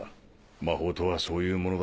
魔法とはそういうものだ。